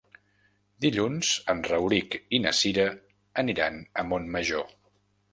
Dilluns en Rauric i na Cira aniran a Montmajor.